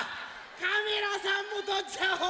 カメラさんもとっちゃおう！